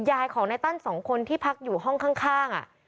ยายของในตั้นสองคนที่พักอยู่ห้องข้าง